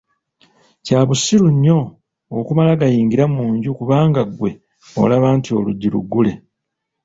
Kya busiriu nnyo okumala gayingira mu nju kubanga ggwe olaba nti oluggi luggule.